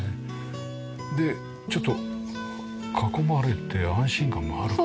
でちょっと囲まれて安心感もあるから。